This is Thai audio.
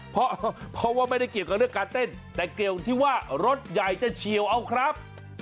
เพราะว่าไม่ได้เกี่ยวกับเรื่องการเต้นแต่เกี่ยวที่ว่ารถใหญ่จะเฉียวเอาครับ